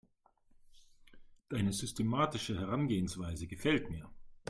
Deine systematische Herangehensweise gefällt mir.